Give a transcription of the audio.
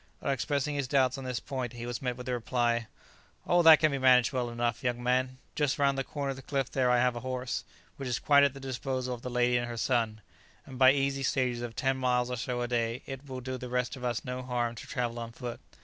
On expressing his doubts on this point, he was met with the reply, "Oh, that can be managed well enough, young man; just round the corner of the cliff there I have a horse, which is quite at the disposal of the lady and her son; and by easy stages of ten miles or so a day, it will do the rest of us no harm to travel on foot.